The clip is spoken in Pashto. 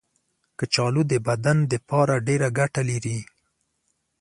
کچالو د بدن لپاره ډېره ګټه لري.